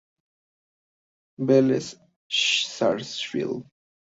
Velez Sarsfield.